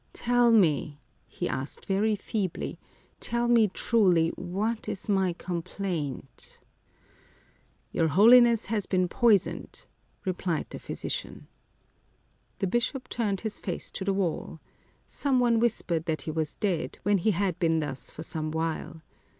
Tell me," he asked very feebly ;" tell me truly, what is my complaint ?"" Your Holiness has been poisoned," replied the physician. The bishop turned his face to the wall. Some one whispered that he was dead, when he had been thus for some while.